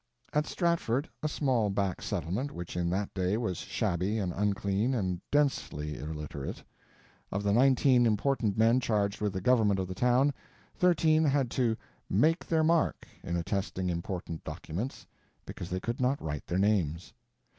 At Stratford, a small back settlement which in that day was shabby and unclean, and densely illiterate. Of the nineteen important men charged with the government of the town, thirteen had to "make their mark" in attesting important documents, because they could not write their names.